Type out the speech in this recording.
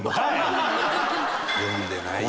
読んでないよな。